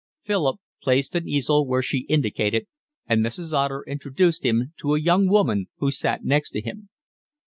Philip placed an easel where she indicated, and Mrs. Otter introduced him to a young woman who sat next to him.